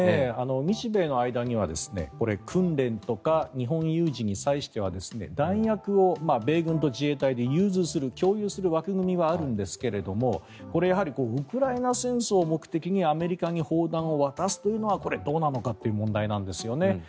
日米の間では訓練とか有事の際には弾薬を米軍と自衛隊で共有する枠組みはあるんですがこれはやはりウクライナ戦争を目的にアメリカに砲弾を渡すというのはこれはどうなのかという問題なんですよね。